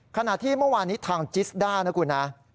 ขณะที่เมื่อวานนี้ทางจิสด้านะคุณนะ